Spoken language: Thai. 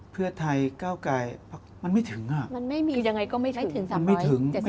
เพื่อไทยเก้าไก่และพักเล็กพักน้อย